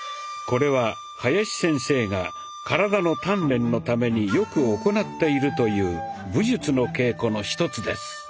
これは林先生が体の鍛錬のためによく行っているという武術の稽古の一つです。